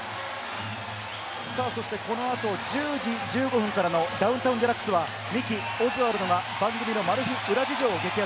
この後１０時１５分からの『ダウンタウンＤＸ』は、ミキ、オズワルドが番組のマル秘裏事情を激白。